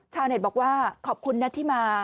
ชาวเน็ตบอกว่าขอบคุณนะที่มา